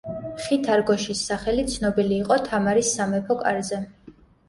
მხითარ გოშის სახელი ცნობილი იყო თამარის სამეფო კარზე.